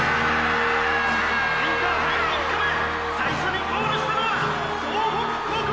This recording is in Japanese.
「インターハイ３日目最初にゴールしたのは総北高校！！